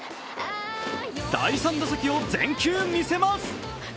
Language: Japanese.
第３打席を全球見せます。